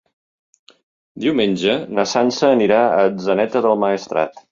Diumenge na Sança anirà a Atzeneta del Maestrat.